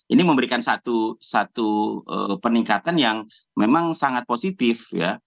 ini memberikan satu peningkatan yang memang sangat positif ya